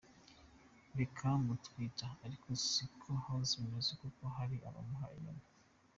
baka mutwika, ariko siko hose bimeze kuko hari abamuha inyoni.